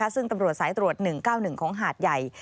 ซึ่งตำรวจสายตรวจ๑๙๑ของหาดใหญ่